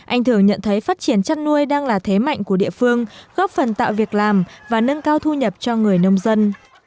anh thường nhận thấy phát triển chăn nuôi đang là thế mạnh của địa phương góp phần tạo việc làm và nâng cao thu nhập cho người nông dân